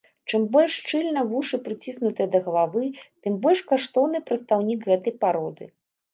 Чым больш шчыльна вушы прыціснутыя да галавы, тым больш каштоўны прадстаўнік гэтай пароды.